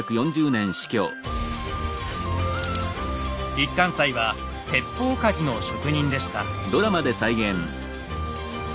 一貫斎は鉄砲鍛冶の職人でした。